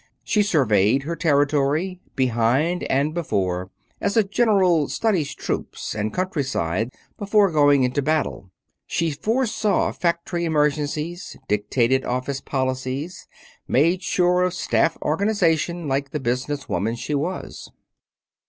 She surveyed her territory, behind and before, as a general studies troops and countryside before going into battle; she foresaw factory emergencies, dictated office policies, made sure of staff organization like the business woman she was.